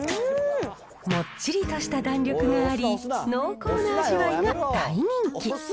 もっちりとした弾力があり、濃厚な味わいが大人気。